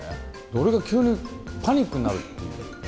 俺が急にパニックになるっていう。